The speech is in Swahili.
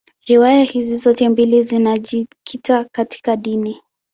Riwaya hizi zote mbili zinajikita katika dini.